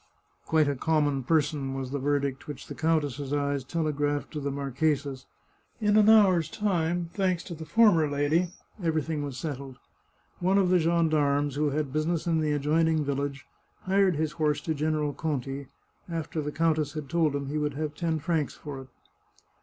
Quite a common person," was the verdict which the 85 The Chartreuse of Parma countess's eyes telegraphed to the marchesa's. In an hour's time, thanks to the former lady, everything was settled. One of the gendarmes, who had business in the adjoining village, hired his horse to General Conti, after the countess had told him he would have ten francs for it.